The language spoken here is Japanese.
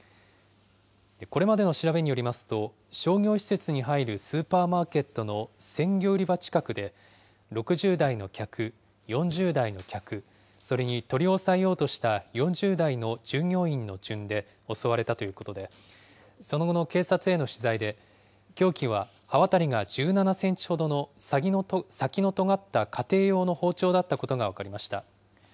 これまでの調べによりますと、商業施設に入るスーパーマーケットの鮮魚売り場近くで、６０代の客、４０代の客、それに取り押さえようとした４０代の従業員の順で襲われたということで、その後の警察への取材で、凶器は刃渡りが１７センチほどの先のとがった家庭用の包丁だったことが分かりました。